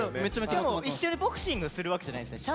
しかも一緒にボクシングするわけじゃないんですね。